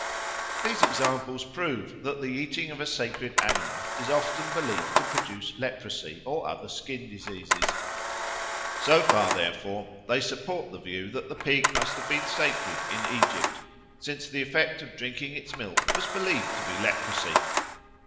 These examples prove that the eating of a sacred animal is often believed to produce leprosy or other skin diseases; so far, therefore, they support the view that the pig must have been sacred in Egypt, since the effect of drinking its milk was believed to be leprosy.